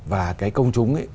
và cái công chúng ấy